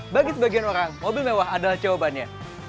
bagi sebagian orang mobil mewah adalah jawabannya